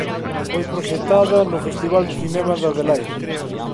Foi proxectada no Festival de Cinema de Adelaida.